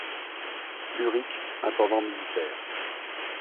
Urick, intendant militaire.